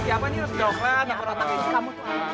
tepuk tangan ini kamu tuhan